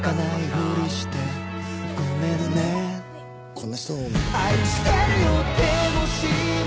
こんな人を。